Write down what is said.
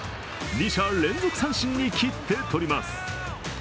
２者連続三振にきってとります。